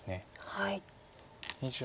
はい。